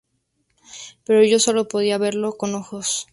Pero yo solo podía verlo con mis ojos.